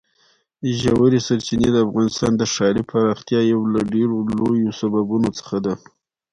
ژورې سرچینې د افغانستان د ښاري پراختیا یو له ډېرو لویو سببونو څخه ده.